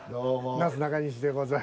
なすなかにしでございます。